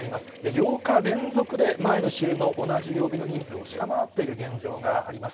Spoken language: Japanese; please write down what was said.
８日連続で前の週の同じ曜日の人数を下回っている現状があります。